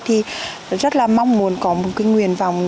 thì rất là mong muốn có một cái nguyện vọng